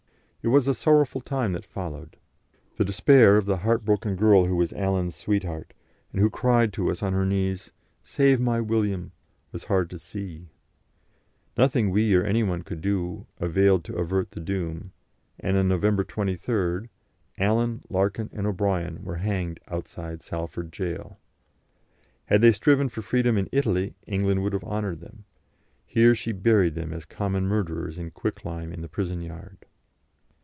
It was a sorrowful time that followed; the despair of the heart broken girl who was Allen's sweetheart, and who cried to us on her knees, "Save my William!" was hard to see; nothing we or any one could do availed to avert the doom, and on November 23rd Allen, Larkin, and O'Brien were hanged outside Salford Gaol. Had they striven for freedom in Italy England would have honoured them; here she buried them as common murderers in quicklime in the prison yard.